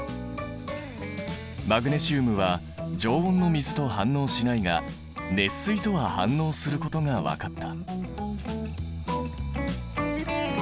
マグネシウムは常温の水と反応しないが熱水とは反応することが分かった。